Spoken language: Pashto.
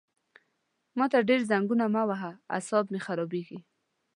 ما ته ډېر زنګونه مه وهه عصاب مې خرابېږي!